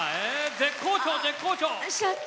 絶好調、絶好調。